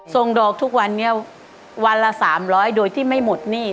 ส่งดอกทุกวันนี้วันละ๓๐๐โดยที่ไม่หมดหนี้